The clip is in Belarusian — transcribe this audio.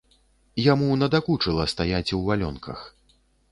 Яму надакучыла стаяць у валёнках.